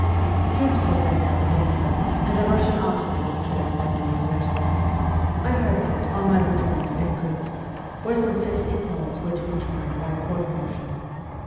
Troops were sent out against them, and a Russian officer was killed by the insurgents. I heard of it on my return to Irkutsk, where some fifty Poles were to be tried by a court martial.